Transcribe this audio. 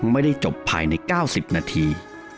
ไม่ได้จบภายในเก้าสิบนาที